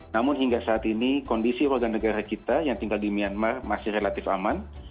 namun hingga saat ini kondisi warga negara kita yang tinggal di myanmar masih relatif aman